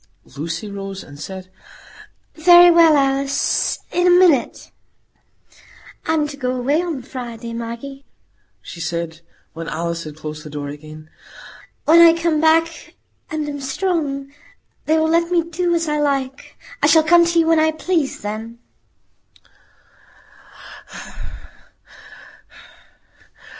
Lucy rose and said, "Very well, Alice,—in a minute." "I'm to go away on Friday, Maggie," she added, when Alice had closed the door again. "When I come back, and am strong, they will let me do as I like. I shall come to you when I please then."